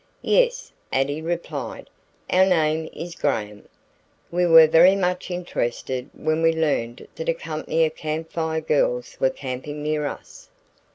"Yes," Addie replied. "Our name is Graham. We were very much interested when we learned that a company of Camp Fire Girls were camping near us."